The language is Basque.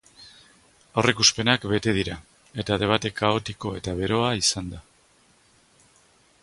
Aurreikuspenak bete dira eta debate kaotiko eta beroa izan da.